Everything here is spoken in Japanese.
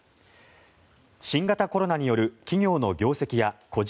新型コロナによる企業の業績や個人